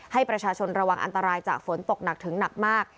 ให้ประชาชนระวังอันตรายจากฝนตกหนักถึงหนักมาก